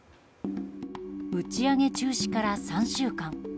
打ち上げ中止から３週間。